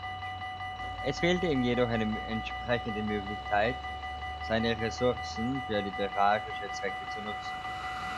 Es fehlte ihm jedoch eine entsprechende Möglichkeit, seine Ressourcen für literarische Zwecke zu nutzen.